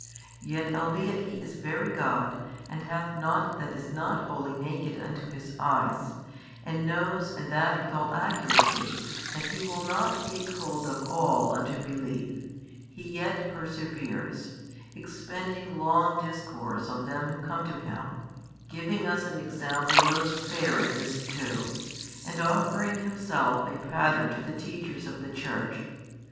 Yet albeit He is Very God, and hath nought that is not wholly naked unto His Eyes and knows and that with all accuracy that He will not take hold of all unto belief, He yet perseveres, expending long discourse on them who come to Him, giving us an Example most fair in this too, and |621 offering Himself a Pattern to the Teachers of the Church.